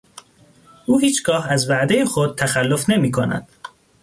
او هیچگاه از وعدهٔ خود تخلف نمیکند.